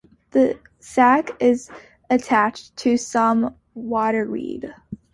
The sac is attached to some water weed.